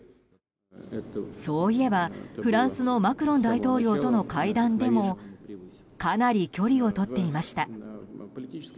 そういえば、フランスのマクロン大統領との会談でもかなり距離を取っていました。